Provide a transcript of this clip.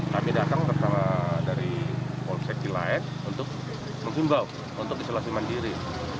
kami datang bersama dari polsekil lain untuk menghubungi untuk isolasi mandiri